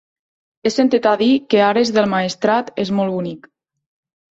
He sentit a dir que Ares del Maestrat és molt bonic.